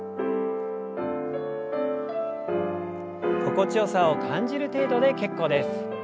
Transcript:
心地よさを感じる程度で結構です。